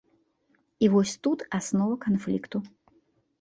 І вось тут аснова канфлікту.